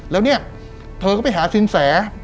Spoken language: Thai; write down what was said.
แล้วเนี่ยเธอก็ไปหาสินแส